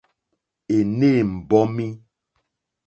Ènê mbɔ́mí.